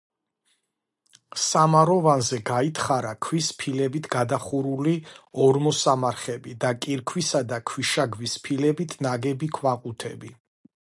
სამაროვანზე გაითხარა ქვის ფილებით გადახურული ორმოსამარხები და კირქვისა და ქვიშაქვის ფილებით ნაგები ქვაყუთები.